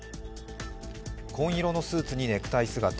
紺色のスーツにネクタイ姿。